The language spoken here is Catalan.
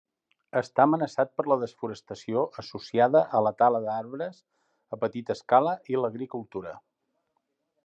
Està amenaçat per la desforestació associada a la tala d'arbres a petita escala i l'agricultura.